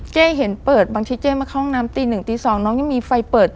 เจ๊เห็นเปิดบางทีเจ๊มาเข้าห้องน้ำตีหนึ่งตี๒น้องยังมีไฟเปิด